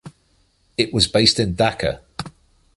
It was based in Dhaka.